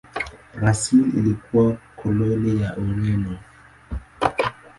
Brazil ilikuwa koloni la Ureno.